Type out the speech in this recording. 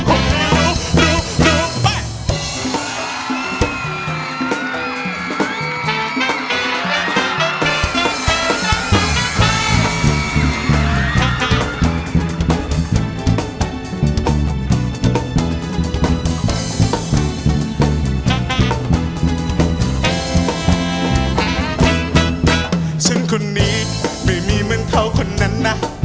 ฉันคนนี้ไม่มีเหมือนเขาคนนั้นนะ